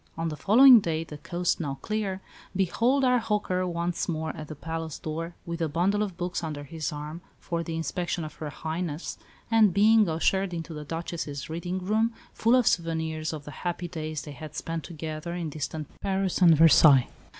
On the following day, the coast now clear, behold our "hawker" once more at the palace door, with a bundle of books under his arm for the inspection of Her Highness, and being ushered into the Duchess's reading room, full of souvenirs of the happy days they had spent together in distant Paris and Versailles.